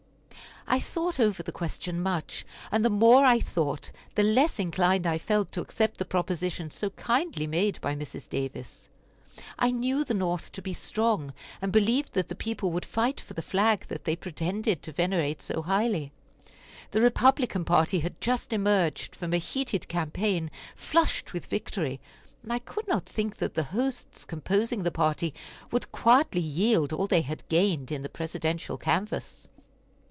I thought over the question much, and the more I thought the less inclined I felt to accept the proposition so kindly made by Mrs. Davis. I knew the North to be strong, and believed that the people would fight for the flag that they pretended to venerate so highly. The Republican party had just emerged from a heated campaign, flushed with victory, and I could not think that the hosts composing the party would quietly yield all they had gained in the Presidential canvass.